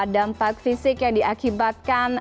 dampak fisik yang diakibatkan